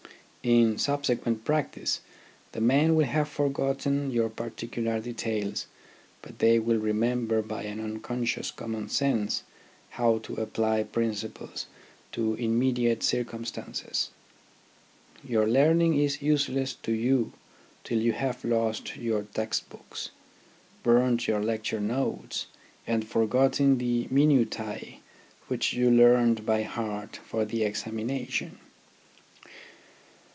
In subsequent practice the men will have forgotten your particular details ; but they will remember by an unconscious common sense how to apply principles to immediate circumstances. Your learning is useless to you till you have lost your text books, burnt your lecture notes, and forgotten the minutiae which you learnt by heart for the examination.